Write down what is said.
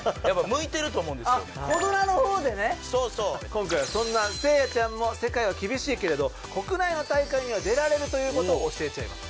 今回はそんなせいやちゃんも世界は厳しいけれど国内の大会には出られるという事を教えちゃいます！